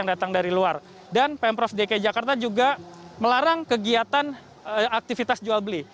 dan pm prof dki jakarta juga melarang kegiatan aktivitas jual beli